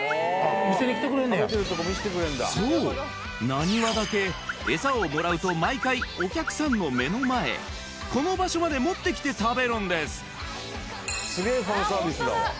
見せに来てくれんねやそうなにわだけエサをもらうと毎回お客さんの目の前この場所まで持ってきて食べるんですあっ